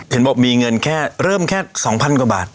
หัวบอกมีเงินเริ่มแค่๒๐๐๐กว่าบาท